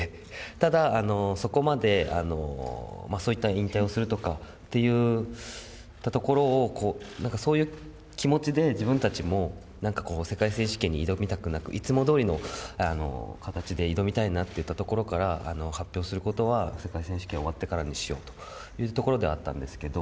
ただ、そこまでそういった引退をするとかっていうところを、そういう気持ちで自分たちもなんかこう、世界選手権に挑みたくなく、いつもどおりの形で挑みたいなっていったところから、発表することは世界選手権終わってからにしようというところではあったんですけど。